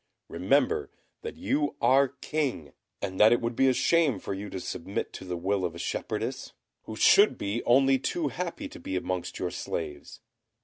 Remember that you are King, and that it would be a shame for you to submit to the will of a shepherdess, who should be only too happy to be amongst your slaves.